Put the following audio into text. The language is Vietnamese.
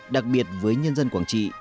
đặc biệt với nhân dân quảng trị